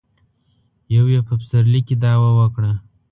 يو يې په پسرلي کې دعوه وکړه.